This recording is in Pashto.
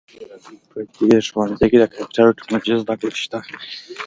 په دې ښوونځي کې د کمپیوټر او ټکنالوژۍ زده کړه شته